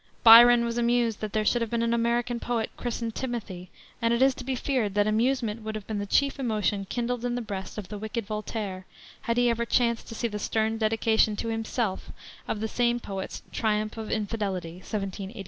Byron was amused that there should have been an American poet christened Timothy, and it is to be feared that amusement would have been the chief emotion kindled in the breast of the wicked Voltaire had he ever chanced to see the stern dedication to himself of the same poet's Triumph of Infidelity, 1788.